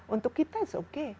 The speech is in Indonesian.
untuk kita itu oke